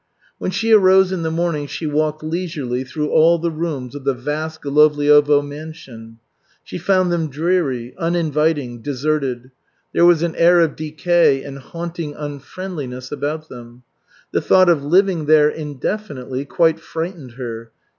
When she arose in the morning she walked leisurely through all the rooms of the vast Golovliovo mansion. She found them dreary, uninviting, deserted. There was an air of decay and haunting unfriendliness about them. The thought of living there indefinitely quite frightened her.